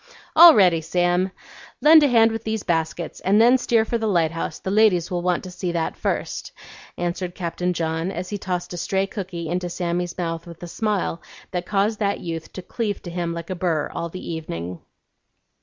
"All ready, Sam! Lend a hand with these baskets, and then steer for the lighthouse; the ladies want to see that first," answered Captain John, as he tossed a stray cookie into Sammy's mouth with a smile that caused that youth to cleave to him like a burr all the evening.